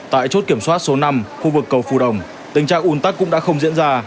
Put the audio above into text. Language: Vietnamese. tại chốt kiểm soát số năm khu vực cầu phù đồng tình trạng un tắc cũng đã không diễn ra